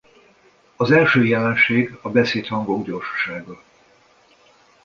Az első jelenség a beszédhangok gyorsasága.